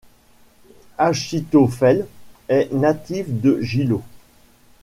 Achitophel est natif de Gilo.